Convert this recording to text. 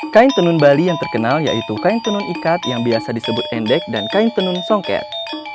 kain tenun bali yang terkenal yaitu kain tenun ikat yang biasa disebut endek dan kain tenun songket